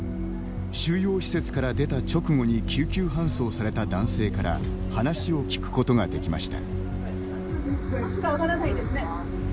収容施設から出た直後に救急搬送された男性から話を聞くことができました。